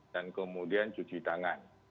dan kemudian cuci tangan